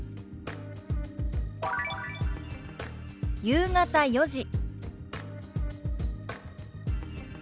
「夕方４時」。